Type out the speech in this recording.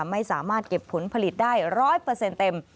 ไม่สามารถเก็บผลผลิตได้๑๐๐เต็ม